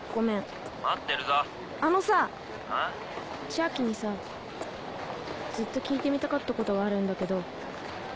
千昭にさずっと聞いてみたかったことがあるんだけど。